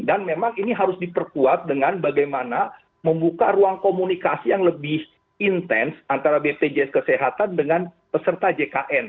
dan memang ini harus diperkuat dengan bagaimana membuka ruang komunikasi yang lebih intens antara bpjs kesehatan dengan peserta jkn